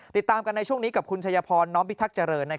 ติดตามกันในช่วงนี้กับคุณชัยพรน้อมพิทักษ์เจริญ